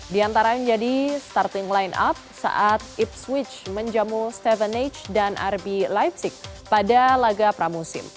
di antara yang jadi starting line up saat ipswich menjamu tujuh h dan rb leipzig pada laga pramusim